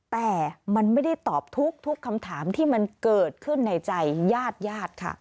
แต่มันไม่ได้ตอบทุกคำถามที่มันเกิดขึ้นในใจญาติญาติค่ะ